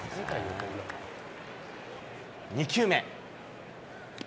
２球目。